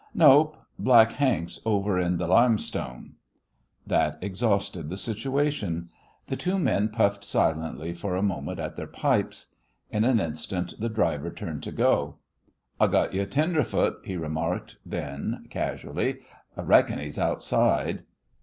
"Nope. Black Hank's over in th' limestone." That exhausted the situation. The two men puffed silently for a moment at their pipes. In an instant the driver turned to go. "I got you a tenderfoot," he remarked then, casually; "I reckon he's outside."